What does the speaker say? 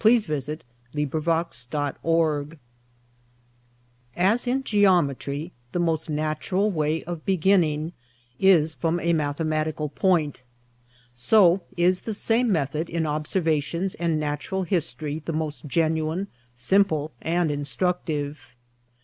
_ As in Geometry, the most natural way of beginning is from a Mathematical point; so is the same method in Observations and Natural history the most genuine, simple, and instructive.